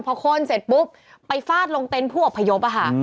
พอโค้นเสร็จปุ๊บไปฟาดลงเต้นผู้อบพยพค่ะ